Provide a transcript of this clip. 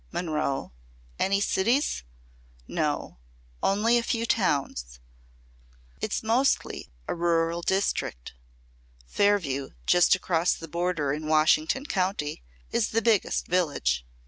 "Monroe." "Any cities?" "No; only a few towns. It's mostly a rural district. Fairview, just across the border in Washington County, is the biggest village."